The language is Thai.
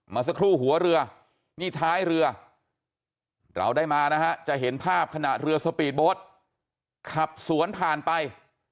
สักครู่หัวเรือนี่ท้ายเรือเราได้มานะฮะจะเห็นภาพขณะเรือสปีดโบ๊ทขับสวนผ่านไป